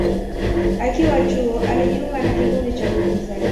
Akiwa chuo, alijiunga na kikundi cha uigizaji.